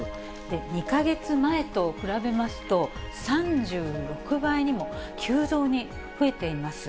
２か月前と比べますと、３６倍にも、急増に増えています。